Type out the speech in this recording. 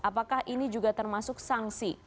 apakah ini juga termasuk sanksi